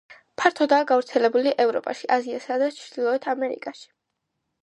ფართოდაა გავრცელებული ევროპაში, აზიასა და ჩრდილოეთ ამერიკაში.